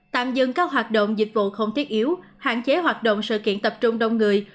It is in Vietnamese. tạm dừng các hoạt động dịch vụ không thiết yếu hạn chế hoạt động sự kiện tập trung đông người